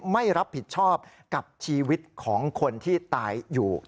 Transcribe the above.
ไม่รับผิดชอบกับชีวิตของคนที่ตายอยู่